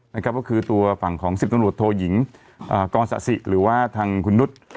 นะครับก็คือตัวฝั่งของสิบตำรวจโทหญิงอ่ากรสะสิหรือว่าทางคุณนุษย์